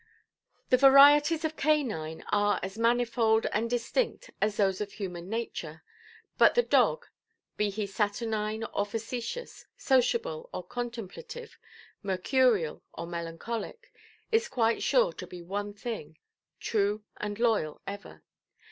The varieties of canine are as manifold and distinct as those of human nature. But the dog, be he saturnine or facetious, sociable or contemplative, mercurial or melancholic, is quite sure to be one thing—true and loyal ever.